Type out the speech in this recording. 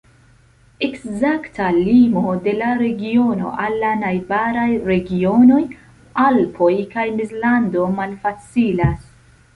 Ekzakta limo de la regiono al la najbaraj regionoj Alpoj kaj Mezlando malfacilas.